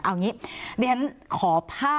เอาอย่างงี้เดี๋ยวฉันขอภาพ